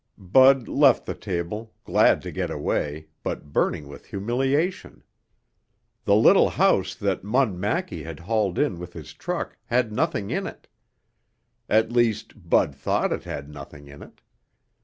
Bud left the table, glad to get away, but burning with humiliation. The little house that Munn Mackie had hauled in with his truck had nothing in it. At least Bud thought it had nothing in it.